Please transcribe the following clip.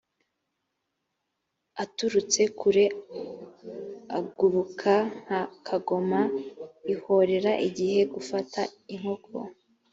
aturutse kure aguruka nka kagoma ihorera igiye gufata inkoko